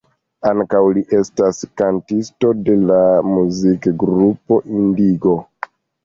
Ankaŭ, li estas kantisto de la muzik-grupo "Indigo".